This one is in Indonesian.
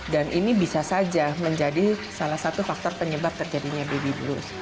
dan ini bisa saja menjadi salah satu faktor penyebab terjadinya baby blues